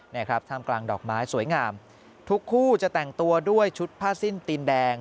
นี่ครับท่ามกลางดอกไม้สวยงามทุกคู่จะแต่งตัวด้วยชุดผ้าสิ้นตีนแดง